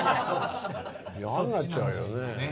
嫌になっちゃうよね。